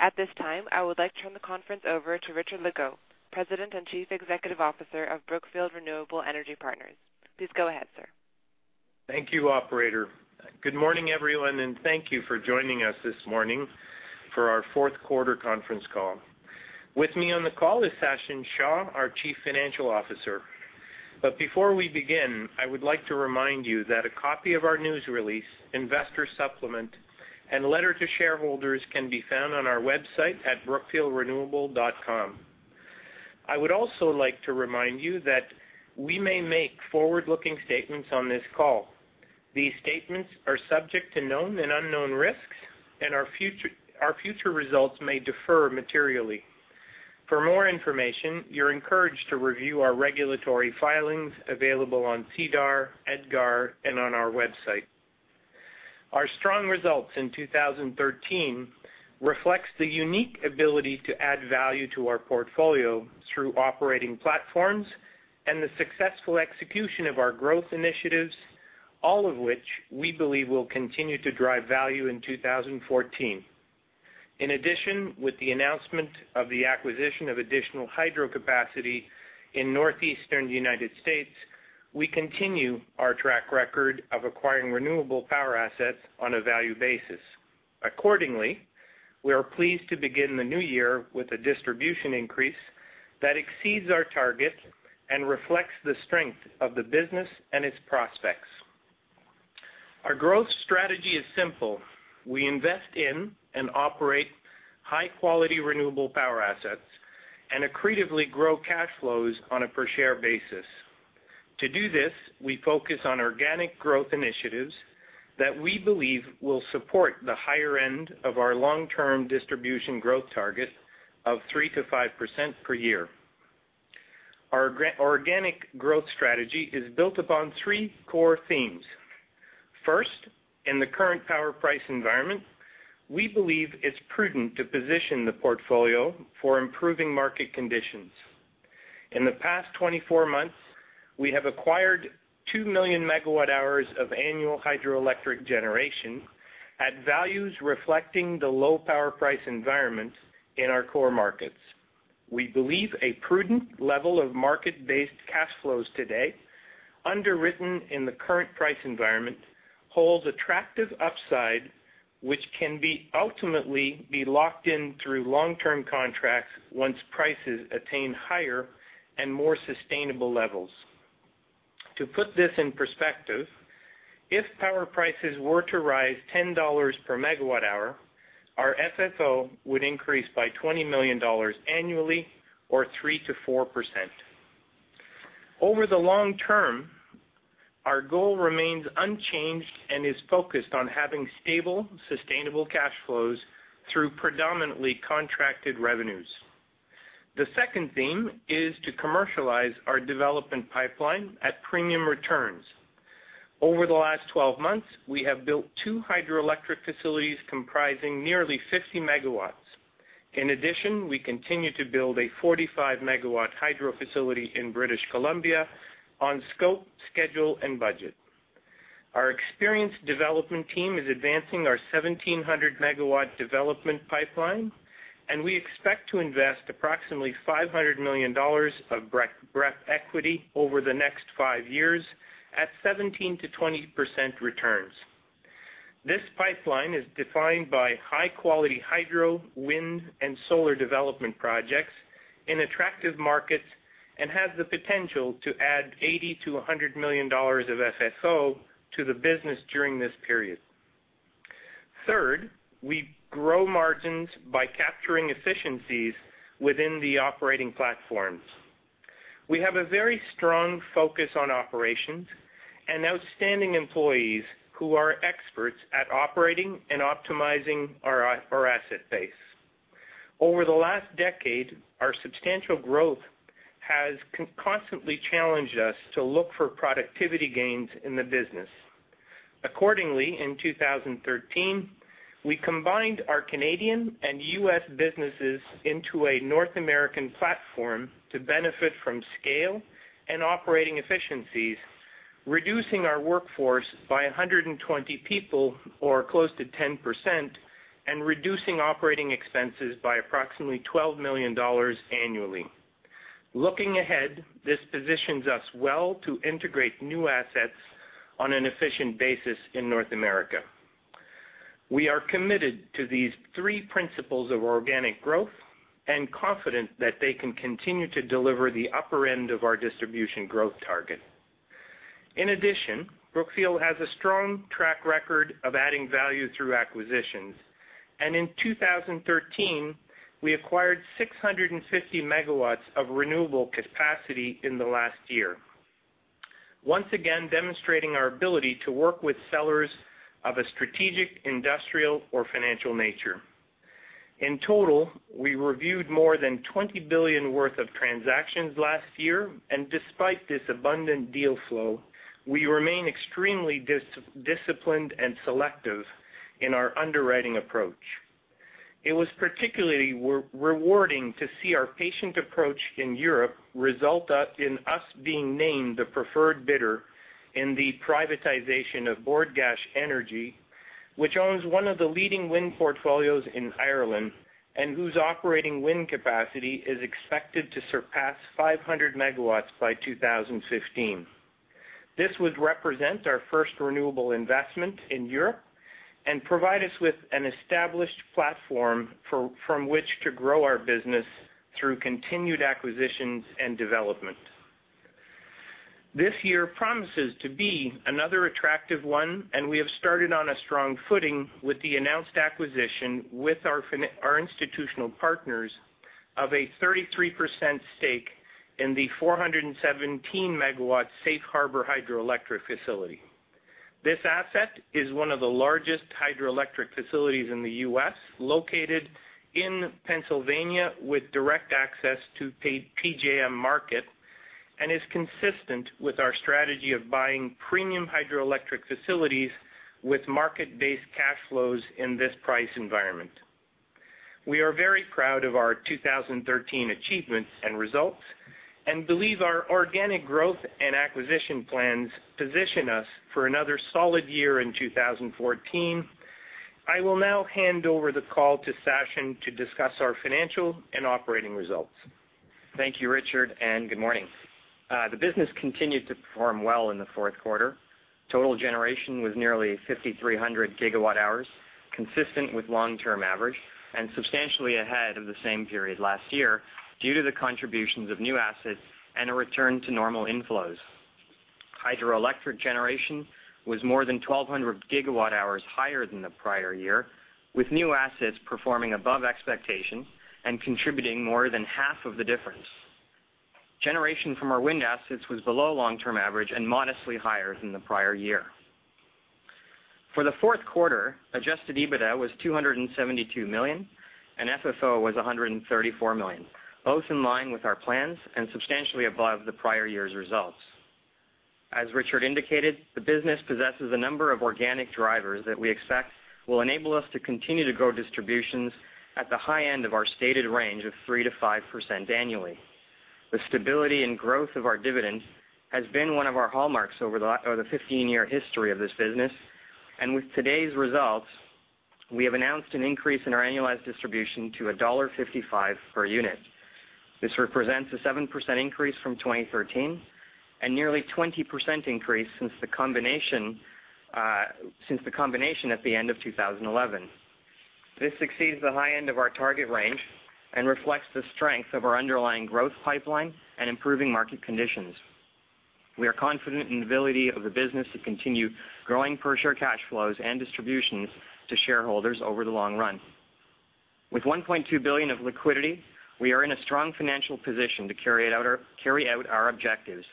At this time, I would like to turn the conference over to Richard Legault, President and Chief Executive Officer of Brookfield Renewable Energy Partners. Please go ahead, sir. Thank you, operator. Good morning, everyone, and thank you for joining us this morning for our fourth quarter conference call. With me on the call is Sachin Shah, our Chief Financial Officer. Before we begin, I would like to remind you that a copy of our news release, investor supplement and Letter to Shareholders can be found on our website at brookfieldrenewable.com. I would also like to remind you that we may make forward-looking statements on this call. These statements are subject to known and unknown risks, and our future results may differ materially. For more information, you're encouraged to review our regulatory filings available on SEDAR, EDGAR, and on our website. Our strong results in 2013 reflect the unique ability to add value to our portfolio through operating platforms and the successful execution of our growth initiatives, all of which we believe will continue to drive value in 2014. With the announcement of the acquisition of additional hydro capacity in the northeastern United States, we continue our track record of acquiring renewable power assets on a value basis. We are pleased to begin the new year with a distribution increase that exceeds our target and reflects the strength of the business and its prospects. Our growth strategy is simple. We invest in and operate high-quality renewable power assets and accretively grow cash flows on a per-share basis. To do this, we focus on organic growth initiatives that we believe will support the higher end of our long-term distribution growth target of 3%-5% per year. Our organic growth strategy is built upon three core themes. First, in the current power price environment, we believe it's prudent to position the portfolio for improving market conditions. In the past 24 months, we have acquired two million megawatt-hours of annual hydroelectric generation at values reflecting the low power price environments in our core markets. We believe a prudent level of market-based cash flows today, underwritten in the current price environment, holds attractive upside, which can ultimately be locked in through long-term contracts once prices attain higher and more sustainable levels. To put this in perspective, if power prices were to rise $10 per MWh, our FFO would increase by $20 million annually, or 3%-4%. Over the long term, our goal remains unchanged and is focused on having stable, sustainable cash flows through predominantly contracted revenues. The second theme is to commercialize our development pipeline at premium returns. Over the last 12 months, we have built two hydroelectric facilities comprising nearly 50 MW. In addition, we continue to build a 45 MW hydro facility in British Columbia on scope, schedule, and budget. Our experienced development team is advancing our 1,700 MW development pipeline, and we expect to invest approximately $500 million of BREP equity over the next five years at 17%-20% returns. This pipeline is defined by high-quality hydro, wind, and solar development projects in attractive markets and has the potential to add $80 million-$100 million of FFO to the business during this period. Third, we grow margins by capturing efficiencies within the operating platforms. We have a very strong focus on operations and outstanding employees who are experts at operating and optimizing our asset base. Over the last decade, our substantial growth has constantly challenged us to look for productivity gains in the business. Accordingly, in 2013, we combined our Canadian and U.S. businesses into a North American platform to benefit from scale and operating efficiencies, reducing our workforce by 120 people, or close to 10%, and reducing operating expenses by approximately $12 million annually. Looking ahead, this positions us well to integrate new assets on an efficient basis in North America. We are committed to these three principles of organic growth and confident that they can continue to deliver the upper end of our distribution growth target. In addition, Brookfield has a strong track record of adding value through acquisitions, and in 2013, we acquired 650 MW of renewable capacity in the last year, once again demonstrating our ability to work with sellers of a strategic, industrial, or financial nature. In total, we reviewed more than $20 billion worth of transactions last year, and despite this abundant deal flow, we remain extremely disciplined and selective in our underwriting approach. It was particularly rewarding to see our patient approach in Europe result in us being named the preferred bidder in the privatization of Bord Gáis Energy, which owns one of the leading wind portfolios in Ireland and whose operating wind capacity is expected to surpass 500 MW by 2015. This would represent our first renewable investment in Europe and provide us with an established platform from which to grow our business through continued acquisitions and development. This year promises to be another attractive one, and we have started on a strong footing with the announced acquisition with our institutional partners of a 33% stake in the 417 MW Safe Harbor hydroelectric facility. This asset is one of the largest hydroelectric facilities in the U.S., located in Pennsylvania with direct access to PJM market, and is consistent with our strategy of buying premium hydroelectric facilities with market-based cash flows in this price environment. We are very proud of our 2013 achievements and results and believe our organic growth and acquisition plans position us for another solid year in 2014. I will now hand over the call to Sachin to discuss our financial and operating results. Thank you, Richard, and good morning. The business continued to perform well in the fourth quarter. Total generation was nearly 5,300 GWh, consistent with long-term average and substantially ahead of the same period last year due to the contributions of new assets and a return to normal inflows. Hydroelectric generation was more than 1,200 GWh higher than the prior year, with new assets performing above expectations and contributing more than half of the difference. Generation from our wind assets was below long-term average and modestly higher than the prior year. For the fourth quarter, adjusted EBITDA was $272 million, and FFO was $134 million, both in line with our plans and substantially above the prior year's results. As Richard indicated, the business possesses a number of organic drivers that we expect will enable us to continue to grow distributions at the high end of our stated range of 3%-5% annually. The stability and growth of our dividends has been one of our hallmarks over the 15-year history of this business. With today's results, we have announced an increase in our annualized distribution to $1.55 per unit. This represents a 7% increase from 2013 and nearly 20% increase since the combination since the combination at the end of 2011. This exceeds the high end of our target range and reflects the strength of our underlying growth pipeline and improving market conditions. We are confident in the ability of the business to continue growing per share cash flows and distributions to shareholders over the long run. With $1.2 billion of liquidity, we are in a strong financial position to carry out our objectives.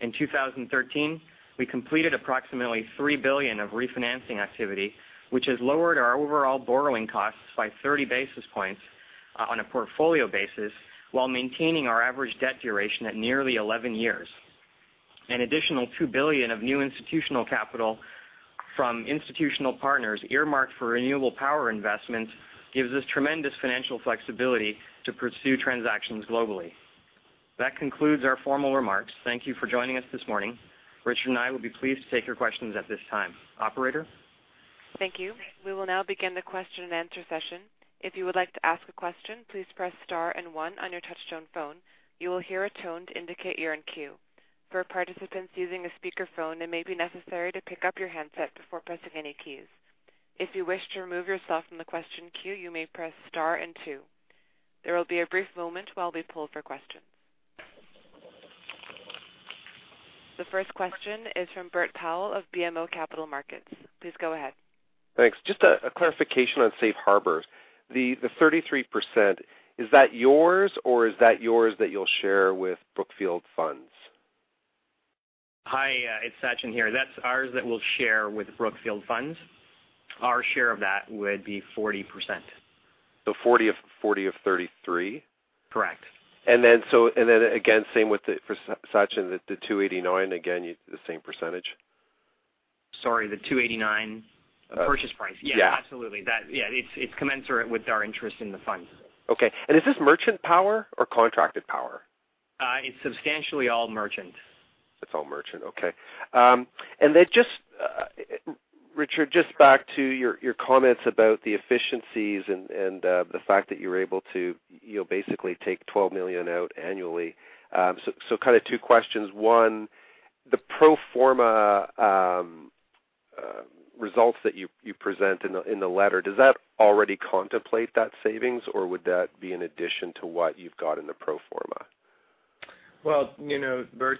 In 2013, we completed approximately $3 billion of refinancing activity, which has lowered our overall borrowing costs by 30 basis points on a portfolio basis, while maintaining our average debt duration at nearly 11 years. An additional $2 billion of new institutional capital from institutional partners earmarked for renewable power investments gives us tremendous financial flexibility to pursue transactions globally. That concludes our formal remarks. Thank you for joining us this morning. Richard and I will be pleased to take your questions at this time. Operator? Thank you. We will now begin the question-and-answer session. There will be a brief moment while we poll for questions. The first question is from Bert Powell of BMO Capital Markets. Please go ahead. Thanks. Just a clarification on Safe Harbor. The 33%, is that yours or that you'll share with Brookfield Funds? Hi, it's Sachin here. That's ours that we'll share with Brookfield Funds. Our share of that would be 40%. So forty of, forty of thirty-three? Correct. Same with the for Sachin, the 289, again, the same percentage? Sorry, the $289 purchase price. Yeah. Yeah, absolutely. That, yeah. It's commensurate with our interest in the funds. Okay. Is this merchant power or contracted power? It's substantially all merchant. It's all merchant. Okay. Just Richard, just back to your comments about the efficiencies and the fact that you're able to, you know, basically take $12 million out annually. Kind of two questions. One, the pro forma results that you present in the letter, does that already contemplate that savings, or would that be in addition to what you've got in the pro forma? Well, you know, Bert,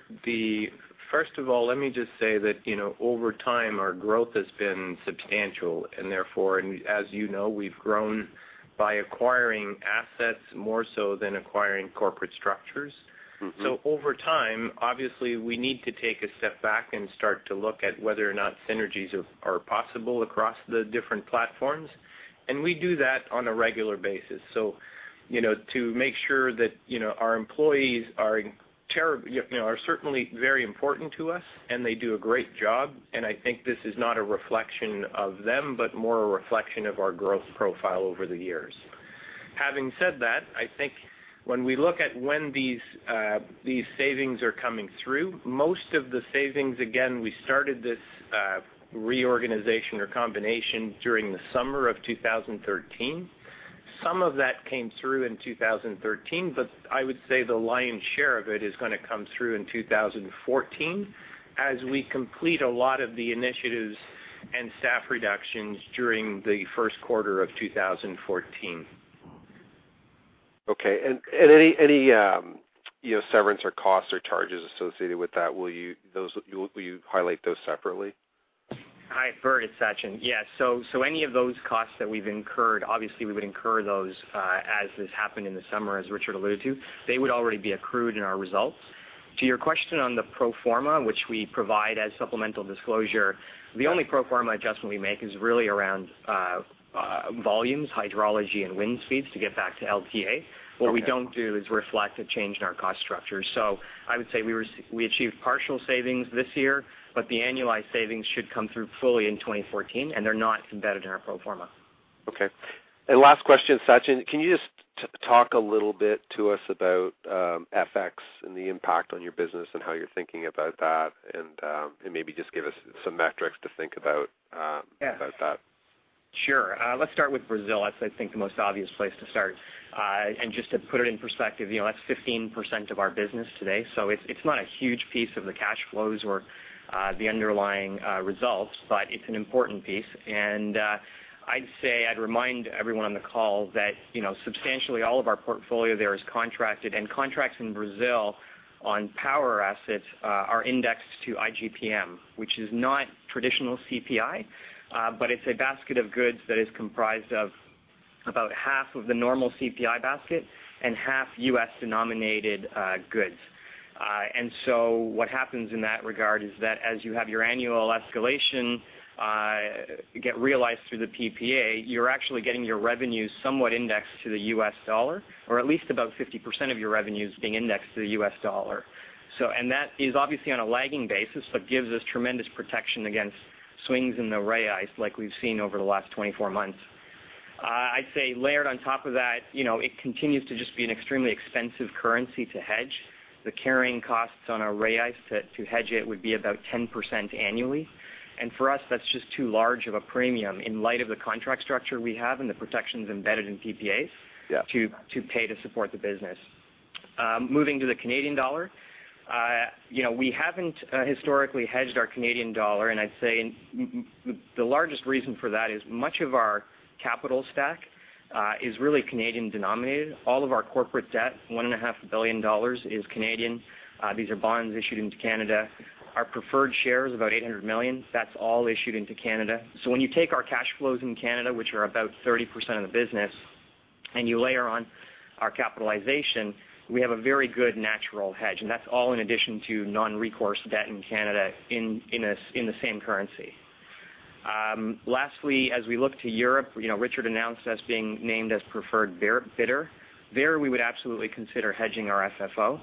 first of all, let me just say that, you know, over time, our growth has been substantial. Therefore, and as you know, we've grown by acquiring assets more so than acquiring corporate structures. Mm-hmm. Over time, obviously, we need to take a step back and start to look at whether or not synergies are possible across the different platforms. We do that on a regular basis. You know, to make sure that, you know, our employees are certainly very important to us, and they do a great job. I think this is not a reflection of them, but more a reflection of our growth profile over the years. Having said that, I think when we look at when these savings are coming through, most of the savings, again, we started this reorganization or combination during the summer of 2013. Some of that came through in 2013, but I would say the lion's share of it is gonna come through in 2014 as we complete a lot of the initiatives and staff reductions during the first quarter of 2014. Okay. Any you know severance or costs or charges associated with that, will you highlight those separately? Hi, Bert. It's Sachin. Yes. Any of those costs that we've incurred, obviously, we would incur those, as this happened in the summer, as Richard alluded to. They would already be accrued in our results. To your question on the pro forma, which we provide as supplemental disclosure- Right. The only pro forma adjustment we make is really around volumes, hydrology and wind speeds to get back to LTA. Okay. What we don't do is reflect a change in our cost structure. I would say we achieved partial savings this year, but the annualized savings should come through fully in 2014, and they're not embedded in our pro forma. Okay. Last question, Sachin. Can you just talk a little bit to us about FX and the impact on your business and how you're thinking about that? Maybe just give us some metrics to think about, Yes. about that. Sure. Let's start with Brazil. That's I think the most obvious place to start. Just to put it in perspective, you know, that's 15% of our business today, so it's not a huge piece of the cash flows or the underlying results, but it's an important piece. I'd remind everyone on the call that, you know, substantially all of our portfolio there is contracted, and contracts in Brazil on power assets are indexed to IGPM, which is not traditional CPI, but it's a basket of goods that is comprised of about half of the normal CPI basket and half U.S.-denominated goods. What happens in that regard is that as you have your annual escalation, get realized through the PPA, you're actually getting your revenues somewhat indexed to the US dollar, or at least about 50% of your revenues being indexed to the US dollar. That is obviously on a lagging basis, but gives us tremendous protection against swings in the reais like we've seen over the last 24 months. I'd say layered on top of that, you know, it continues to just be an extremely expensive currency to hedge. The carrying costs on our reais to hedge it would be about 10% annually. For us, that's just too large of a premium in light of the contract structure we have and the protections embedded in PPAs. Yeah. to pay to support the business. Moving to the Canadian dollar, you know, we haven't historically hedged our Canadian dollar, and I'd say the largest reason for that is much of our capital stack is really Canadian denominated. All of our corporate debt, 1.5 billion dollars is Canadian. These are bonds issued into Canada. Our preferred shares, about 800 million, that's all issued into Canada. So when you take our cash flows in Canada, which are about 30% of the business, and you layer on our capitalization, we have a very good natural hedge. That's all in addition to non-recourse debt in Canada in the same currency. Lastly, as we look to Europe, you know, Richard announced us being named as preferred bidder. There we would absolutely consider hedging our FFO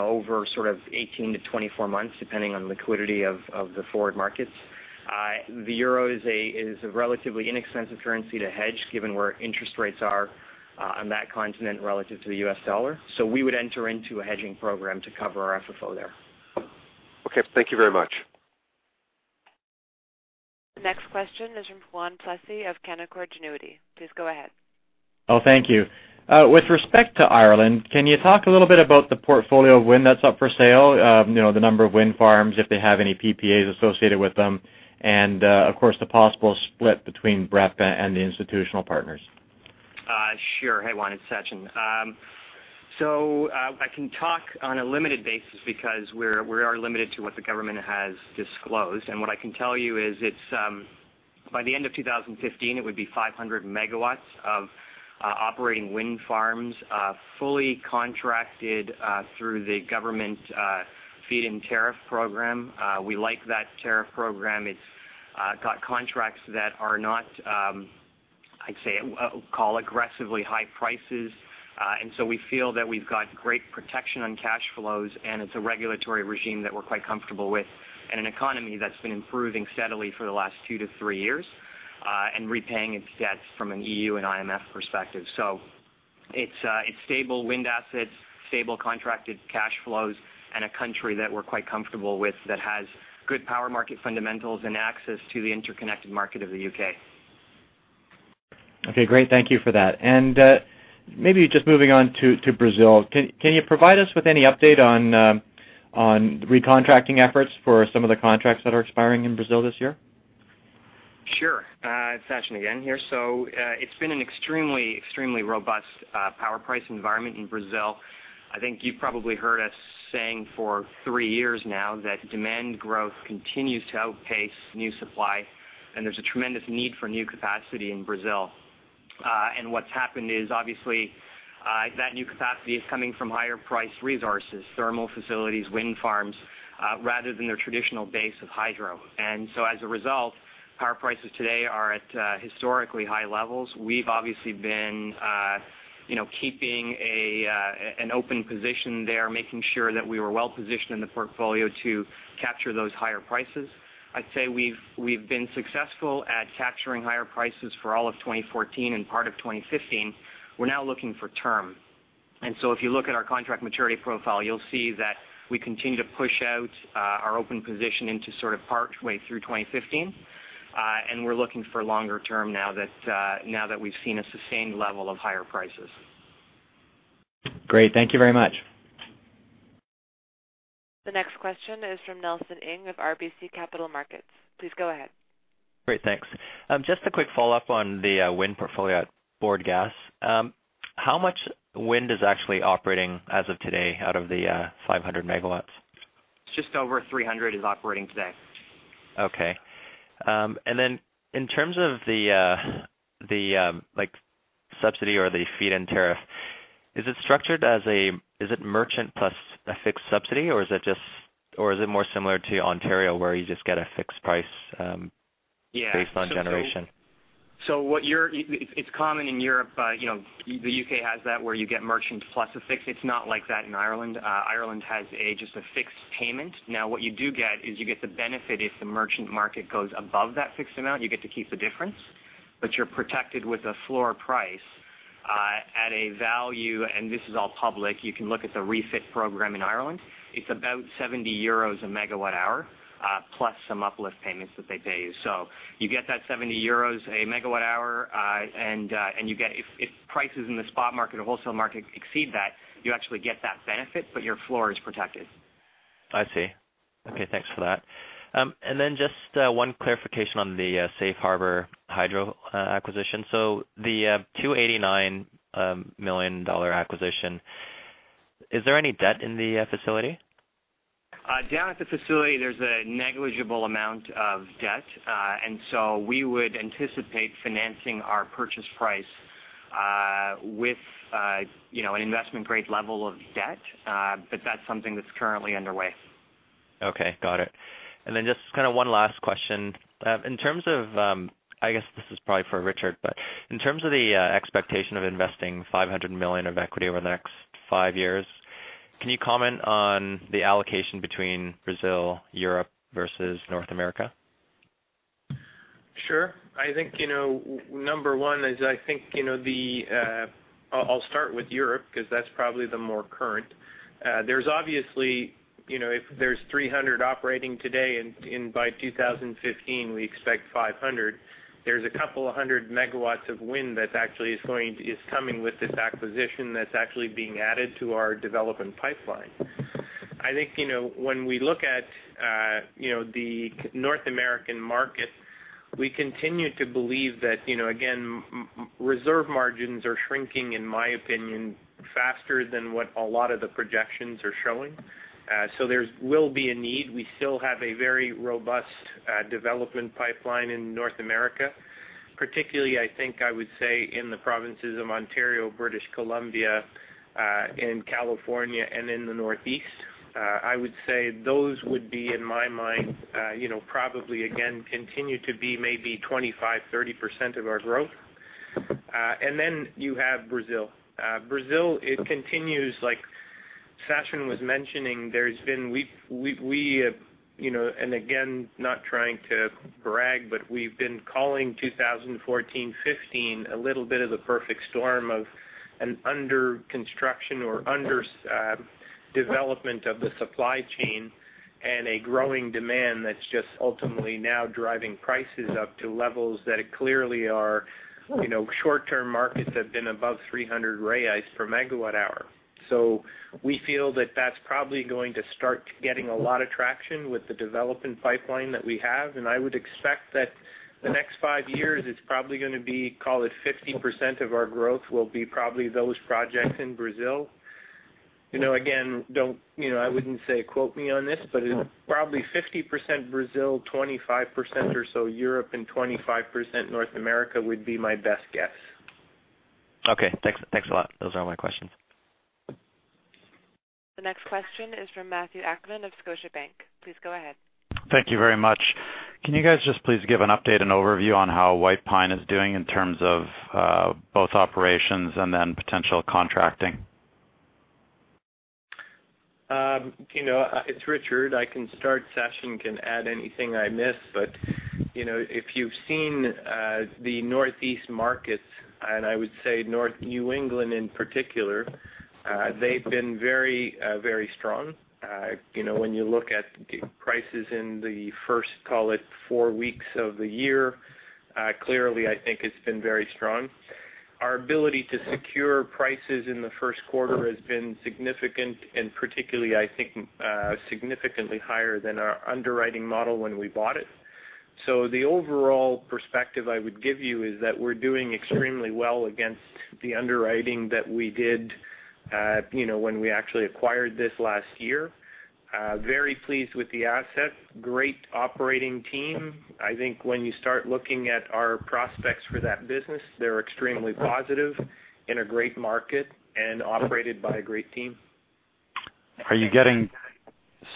over sort of 18-24 months, depending on liquidity of the forward markets. The euro is a relatively inexpensive currency to hedge given where interest rates are on that continent relative to the U.S. dollar. We would enter into a hedging program to cover our FFO there. Okay. Thank you very much. Next question is from Juan Plessis of Canaccord Genuity. Please go ahead. Oh, thank you. With respect to Ireland, can you talk a little bit about the portfolio of wind that's up for sale? You know, the number of wind farms, if they have any PPAs associated with them, and, of course, the possible split between BREP and the institutional partners. Sure. Hey, Juan. It's Sachin. So, I can talk on a limited basis because we are limited to what the government has disclosed. What I can tell you is it's by the end of 2015, it would be 500 MW of operating wind farms, fully contracted through the government feed-in tariff program. We like that tariff program. It's got contracts that are not what I'd call aggressively high prices. We feel that we've got great protection on cash flows, and it's a regulatory regime that we're quite comfortable with, and an economy that's been improving steadily for the last two to three years, and repaying its debts from an EU and IMF perspective. It's stable wind assets, stable contracted cash flows, and a country that we're quite comfortable with that has good power market fundamentals and access to the interconnected market of the U.K. Okay, great. Thank you for that. Maybe just moving on to Brazil. Can you provide us with any update on recontracting efforts for some of the contracts that are expiring in Brazil this year? Sure. It's Sachin again here. It's been an extremely robust power price environment in Brazil. I think you've probably heard us saying for three years now that demand growth continues to outpace new supply, and there's a tremendous need for new capacity in Brazil. What's happened is, obviously, that new capacity is coming from higher priced resources, thermal facilities, wind farms, rather than their traditional base of hydro. As a result, power prices today are at historically high levels. We've obviously been You know, keeping an open position there, making sure that we were well-positioned in the portfolio to capture those higher prices. I'd say we've been successful at capturing higher prices for all of 2014 and part of 2015. We're now looking for term. If you look at our contract maturity profile, you'll see that we continue to push out our open position into sort of partway through 2015. We're looking for longer term now that we've seen a sustained level of higher prices. Great. Thank you very much. The next question is from Nelson Ng of RBC Capital Markets. Please go ahead. Great. Thanks. Just a quick follow-up on the wind portfolio at Bord Gáis. How much wind is actually operating as of today out of the 500 MW? Just over 300 is operating today. Okay. In terms of the like subsidy or the feed-in tariff, is it merchant plus a fixed subsidy, or is it more similar to Ontario, where you just get a fixed price? Yeah. Based on generation? It's common in Europe, you know, the U.K. has that, where you get merchant plus a fixed. It's not like that in Ireland. Ireland has just a fixed payment. What you do get is you get the benefit if the merchant market goes above that fixed amount. You get to keep the difference. But you're protected with a floor price at a value, and this is all public. You can look at the REFIT program in Ireland. It's about 70 euros a megawatt-hour, plus some uplift payments that they pay you. You get that 70 euros a megawatt-hour, and you get, if prices in the spot market or wholesale market exceed that, you actually get that benefit, but your floor is protected. I see. Okay, thanks for that. Just one clarification on the Safe Harbor Hydro acquisition. The $289 million acquisition, is there any debt in the facility? Down at the facility, there's a negligible amount of debt. We would anticipate financing our purchase price with, you know, an investment-grade level of debt, but that's something that's currently underway. Okay. Got it. Just kinda one last question. In terms of, I guess this is probably for Richard, but in terms of the expectation of investing $500 million of equity over the next five years, can you comment on the allocation between Brazil, Europe versus North America? Sure. I think, you know, number one is I think, you know, the, I'll start with Europe because that's probably the more current. There's obviously, you know, if there's 300 operating today, and by 2015, we expect 500, there's a couple of hundred megawatts of wind that actually is coming with this acquisition that's actually being added to our development pipeline. I think, you know, when we look at, you know, the North American market, we continue to believe that, you know, again, reserve margins are shrinking, in my opinion, faster than what a lot of the projections are showing. So there will be a need. We still have a very robust development pipeline in North America, particularly, I think I would say in the provinces of Ontario, British Columbia, in California, and in the Northeast. I would say those would be, in my mind, you know, probably again continue to be maybe 25%-30% of our growth. You have Brazil. Brazil, it continues, like Sachin was mentioning, you know, and again, not trying to brag, but we've been calling 2014, 2015 a little bit of the perfect storm of an under construction or under development of the supply chain and a growing demand that's just ultimately now driving prices up to levels that clearly are, you know, short-term markets have been above 300 per megawatt-hour. We feel that that's probably going to start getting a lot of traction with the development pipeline that we have. I would expect that the next five years it's probably gonna be, call it 50% of our growth will be probably those projects in Brazil. You know, again, don't, you know, I wouldn't say quote me on this, but it's probably 50% Brazil, 25% or so Europe, and 25% North America would be my best guess. Okay, thanks. Thanks a lot. Those are all my questions. The next question is from Matthew Akman of Scotiabank. Please go ahead. Thank you very much. Can you guys just please give an update and overview on how White Pine is doing in terms of both operations and then potential contracting? You know, it's Richard. I can start. Sachin can add anything I miss. You know, if you've seen the Northeast markets, and I would say North New England in particular, they've been very, very strong. You know, when you look at prices in the first, call it, four weeks of the year, clearly I think it's been very strong. Our ability to secure prices in the first quarter has been significant and particularly, I think, significantly higher than our underwriting model when we bought it. The overall perspective I would give you is that we're doing extremely well against the underwriting that we did, you know, when we actually acquired this last year. Very pleased with the asset, great operating team. I think when you start looking at our prospects for that business, they're extremely positive in a great market and operated by a great team.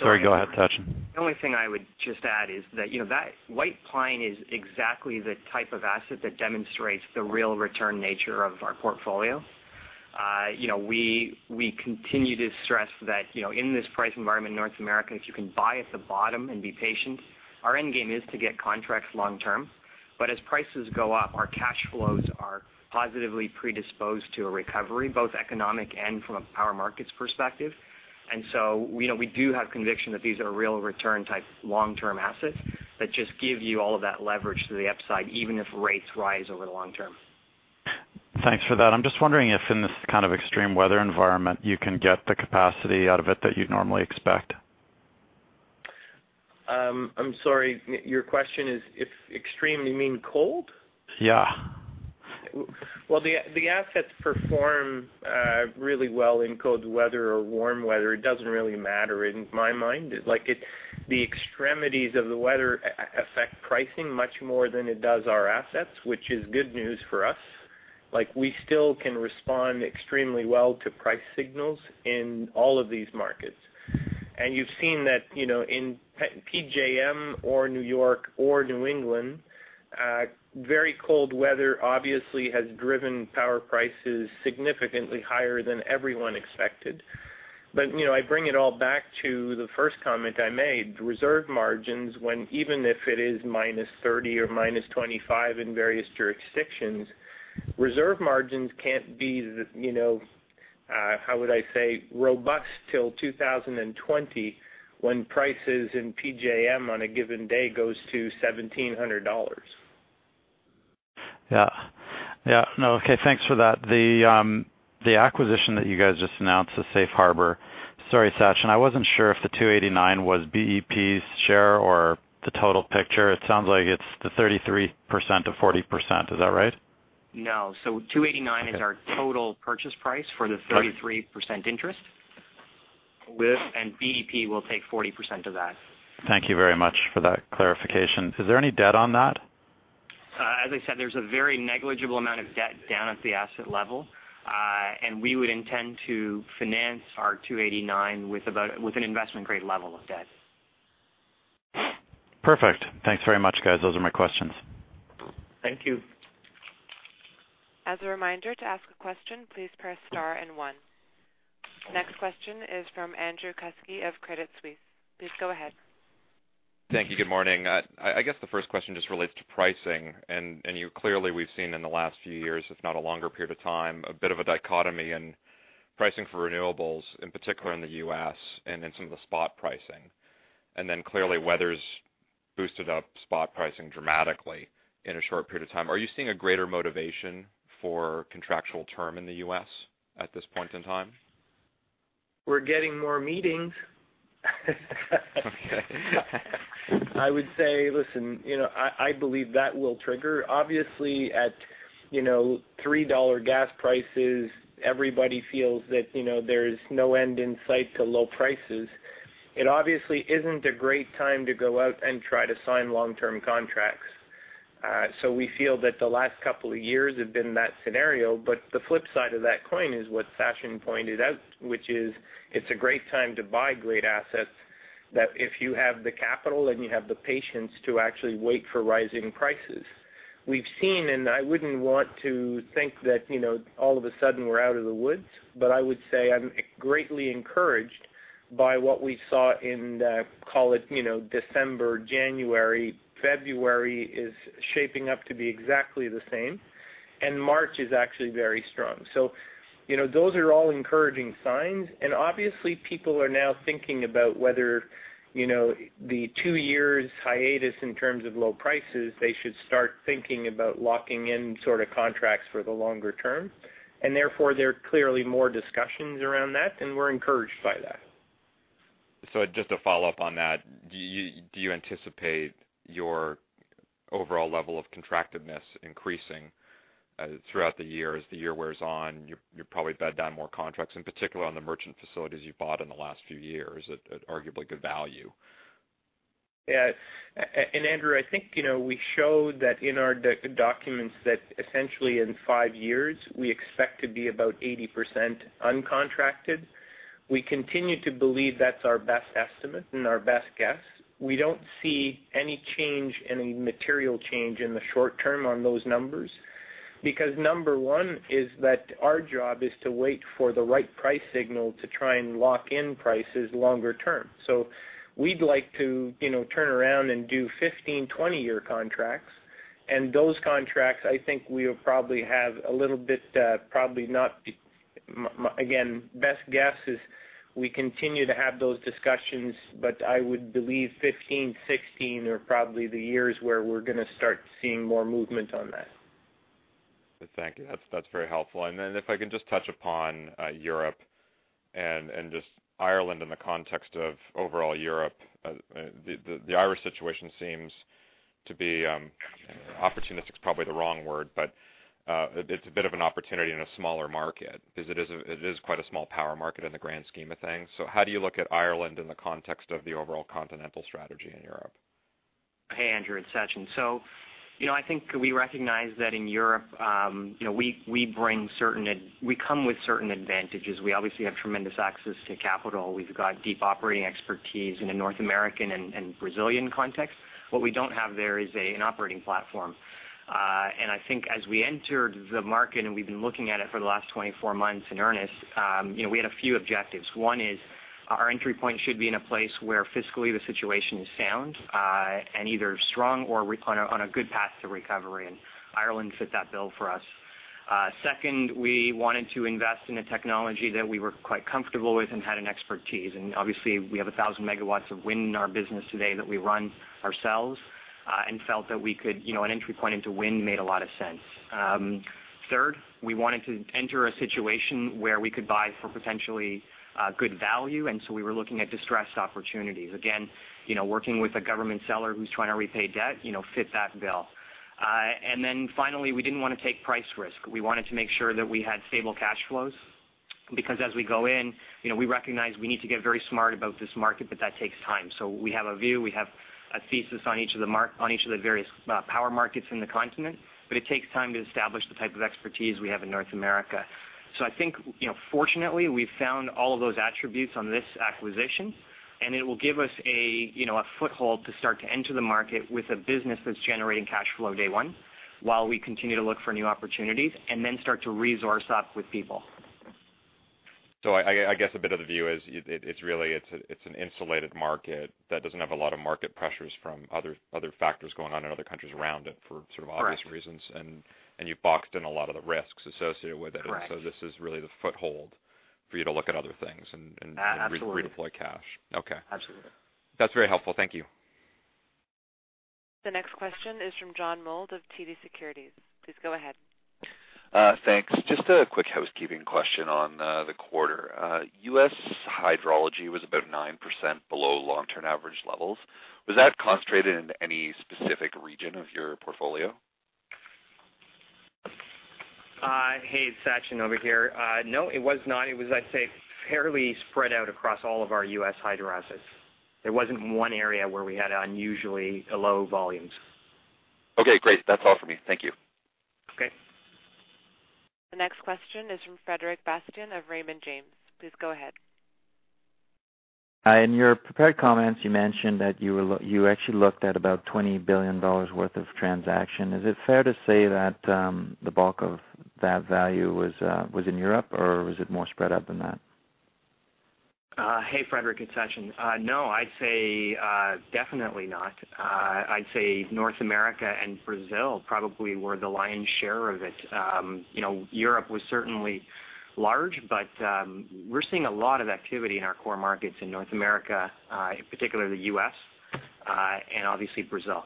Sorry, go ahead, Sachin. The only thing I would just add is that, you know, that White Pine is exactly the type of asset that demonstrates the real return nature of our portfolio. You know, we continue to stress that, you know, in this price environment in North America, if you can buy at the bottom and be patient, our end game is to get contracts long-term. As prices go up, our cash flows are positively predisposed to a recovery, both economic and from a power markets perspective. We know we do have conviction that these are real return type long-term assets that just give you all of that leverage to the upside, even if rates rise over the long term. Thanks for that. I'm just wondering if in this kind of extreme weather environment, you can get the capacity out of it that you'd normally expect. I'm sorry, your question is, if extreme, you mean cold? Yeah. Well, the assets perform really well in cold weather or warm weather. It doesn't really matter in my mind. Like, the extremities of the weather affect pricing much more than it does our assets, which is good news for us. Like, we still can respond extremely well to price signals in all of these markets. You've seen that, you know, in PJM or New York or New England, very cold weather obviously has driven power prices significantly higher than everyone expected. You know, I bring it all back to the first comment I made. Reserve margins, when even if it is -30 or -25 in various jurisdictions, reserve margins can't be, you know, how would I say, robust till 2020 when prices in PJM on a given day goes to $1,700. Yeah. Yeah. No, okay, thanks for that. The acquisition that you guys just announced, the Safe Harbor. Sorry, Sachin, I wasn't sure if the $289 was BEP's share or the total picture. It sounds like it's the 33%-40%. Is that right? No. $289 is our total purchase price for the 33% interest. Okay. With- BEP will take 40% of that. Thank you very much for that clarification. Is there any debt on that? As I said, there's a very negligible amount of debt down at the asset level. We would intend to finance our 289 with an investment-grade level of debt. Perfect. Thanks very much, guys. Those are my questions. Thank you. As a reminder to ask a question, please press star and one. Next question is from Andrew Kuske of Credit Suisse. Please go ahead. Thank you. Good morning. I guess the first question just relates to pricing. You clearly, we've seen in the last few years, if not a longer period of time, a bit of a dichotomy in pricing for renewables, in particular in the U.S. and in some of the spot pricing. Clearly, weather's boosted up spot pricing dramatically in a short period of time. Are you seeing a greater motivation for contractual term in the U.S. at this point in time? We're getting more meetings. Okay. I would say, listen, you know, I believe that will trigger. Obviously, at, you know, $3 gas prices, everybody feels that, you know, there's no end in sight to low prices. It obviously isn't a great time to go out and try to sign long-term contracts. We feel that the last couple of years have been that scenario. The flip side of that coin is what Sachin pointed out, which is it's a great time to buy great assets that if you have the capital and you have the patience to actually wait for rising prices. We've seen, and I wouldn't want to think that, you know, all of a sudden we're out of the woods, but I would say I'm greatly encouraged by what we saw in the, call it, you know, December, January. February is shaping up to be exactly the same, and March is actually very strong. You know, those are all encouraging signs. Obviously, people are now thinking about whether, you know, the two years hiatus in terms of low prices, they should start thinking about locking in sort of contracts for the longer term. Therefore, there are clearly more discussions around that, and we're encouraged by that. Just a follow-up on that. Do you anticipate your overall level of contractedness increasing throughout the year as the year wears on? You're probably bed down more contracts, in particular on the merchant facilities you bought in the last few years at arguably good value. Andrew, I think, you know, we showed that in our documents that essentially in five years, we expect to be about 80% uncontracted. We continue to believe that's our best estimate and our best guess. We don't see any change, any material change in the short term on those numbers. Because number one is that our job is to wait for the right price signal to try and lock in prices longer term. We'd like to, you know, turn around and do 15-20-year contracts. Those contracts, I think we'll probably have a little bit, probably not. My best guess is we continue to have those discussions, but I would believe 15, 16 are probably the years where we're going to start seeing more movement on that. Thank you. That's very helpful. Then if I can just touch upon Europe and just Ireland in the context of overall Europe. The Irish situation seems to be opportunistic is probably the wrong word, but it's a bit of an opportunity in a smaller market. It is quite a small power market in the grand scheme of things. How do you look at Ireland in the context of the overall continental strategy in Europe? Hey, Andrew. It's Sachin. You know, I think we recognize that in Europe, we bring certain advantages. We obviously have tremendous access to capital. We've got deep operating expertise in the North American and Brazilian context. What we don't have there is an operating platform. I think as we entered the market, and we've been looking at it for the last 24 months in earnest, you know, we had a few objectives. One is our entry point should be in a place where fiscally the situation is sound, and either strong or on a good path to recovery, and Ireland fit that bill for us. Second, we wanted to invest in a technology that we were quite comfortable with and had an expertise. Obviously, we have 1,000 MW of wind in our business today that we run ourselves, and felt that we could, you know, an entry point into wind made a lot of sense. Third, we wanted to enter a situation where we could buy for potentially good value, and so we were looking at distressed opportunities. Again, you know, working with a government seller who's trying to repay debt, you know, fit that bill. Then finally, we didn't wanna take price risk. We wanted to make sure that we had stable cash flows because as we go in, you know, we recognize we need to get very smart about this market, but that takes time. We have a view, we have a thesis on each of the various power markets in the continent, but it takes time to establish the type of expertise we have in North America. I think, you know, fortunately, we've found all of those attributes on this acquisition, and it will give us a, you know, a foothold to start to enter the market with a business that's generating cash flow day one while we continue to look for new opportunities and then start to resource up with people. I guess a bit of the view is it's really an insulated market that doesn't have a lot of market pressures from other factors going on in other countries around it. Correct. For obvious reasons. You've boxed in a lot of the risks associated with it. Correct. This is really the foothold for you to look at other things. A-absolutely. Redeploy cash. Okay. Absolutely. That's very helpful. Thank you. The next question is from John Mould of TD Securities. Please go ahead. Thanks. Just a quick housekeeping question on the quarter. U.S. hydrology was about 9% below long-term average levels. Was that concentrated in any specific region of your portfolio? Hey, Sachin over here. No, it was not. It was, I'd say, fairly spread out across all of our U.S. hydro assets. There wasn't one area where we had unusually low volumes. Okay, great. That's all for me. Thank you. Okay. The next question is from Frederic Bastien of Raymond James. Please go ahead. Hi. In your prepared comments, you mentioned that you actually looked at about $20 billion worth of transaction. Is it fair to say that the bulk of that value was in Europe, or was it more spread out than that? Hey, Frederic. It's Sachin. No, I'd say definitely not. I'd say North America and Brazil probably were the lion's share of it. You know, Europe was certainly large, but we're seeing a lot of activity in our core markets in North America, particularly U.S., and obviously Brazil.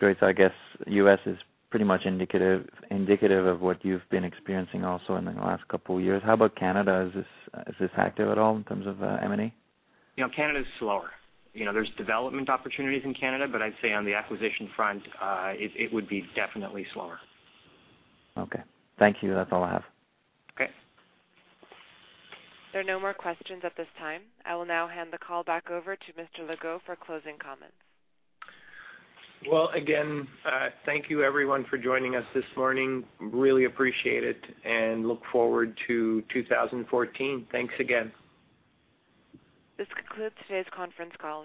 Great. I guess U.S. is pretty much indicative of what you've been experiencing also in the last couple years. How about Canada? Is this active at all in terms of M&A? You know, Canada's slower. You know, there's development opportunities in Canada, but I'd say on the acquisition front, it would be definitely slower. Okay. Thank you. That's all I have. Okay. There are no more questions at this time. I will now hand the call back over to Richard Legault for closing comments. Well, again, thank you everyone for joining us this morning. Really appreciate it, and look forward to 2014. Thanks again. This concludes today's conference call.